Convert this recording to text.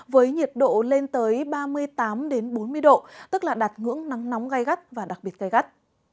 với nhiệt độ lên tới ba mươi tám bốn mươi độ tức là đạt ngưỡng nắng nóng gai gắt và đặc biệt gai gắt